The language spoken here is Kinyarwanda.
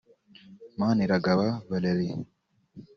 Maniragaba Valery